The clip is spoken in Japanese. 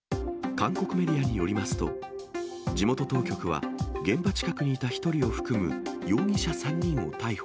韓国メディアによりますと、地元当局は現場近くにいた１人を含む容疑者３人を逮捕。